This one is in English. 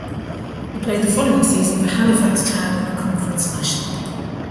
He played the following season for Halifax Town in the Conference National.